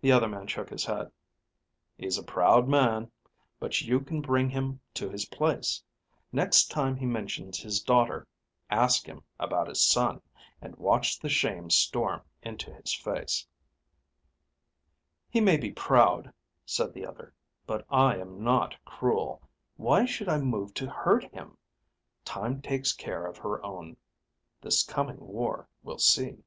The other man shook his head. "He's a proud man. But you can bring him to his place. Next time he mentions his daughter, ask him about his son, and watch the shame storm into his face." "He may be proud," said the other, "but I am not cruel. Why should I move to hurt him? Time takes care of her own. This coming war will see."